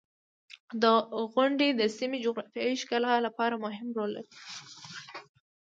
• غونډۍ د سیمې د جغرافیې د ښکلا لپاره مهم رول لري.